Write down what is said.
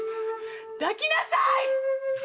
「抱きなさい！」